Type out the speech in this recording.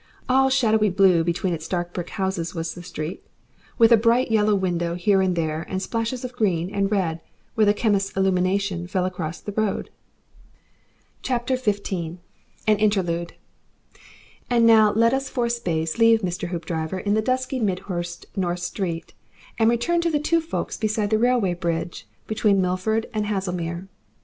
All shadowy blue between its dark brick houses, was the street, with a bright yellow window here and there and splashes of green and red where the chemist's illumination fell across the road. XV. AN INTERLUDE And now let us for a space leave Mr. Hoopdriver in the dusky Midhurst North Street, and return to the two folks beside the railway bridge between Milford and Haslemere.